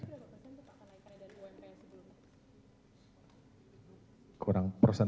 sementara kekembuan ekonomi empat sembilan puluh enam pak